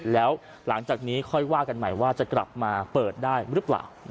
แล้วหลังจากนี้ค่อยว่ากันใหม่ว่าจะกลับมาเปิดได้หรือเปล่า